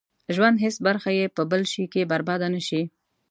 ژوند هېڅ برخه يې په بل شي کې برباده نه شي.